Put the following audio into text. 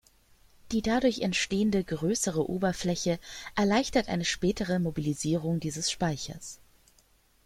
Die dadurch entstehende größere Oberfläche erleichtert eine spätere Mobilisierung dieses Speichers.